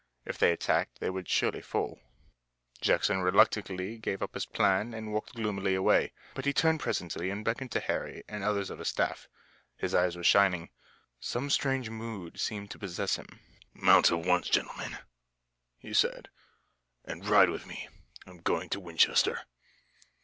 If they attacked they would surely fall. Jackson reluctantly gave up his plan and walked gloomily away. But he turned presently and beckoned to Harry and others of his staff. His eyes were shining. Some strange mood seemed to possess him. "Mount at once, gentlemen," he said, "and ride with me. I'm going to Winchester."